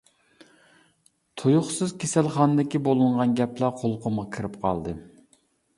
تۇيۇقسىز كېسەلخانىدىكى بولۇنغان گەپلەر قۇلىقىمغا كىرىپ قالدى.